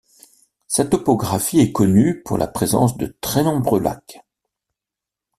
Sa topographie est connue pour la présence de très nombreux lacs.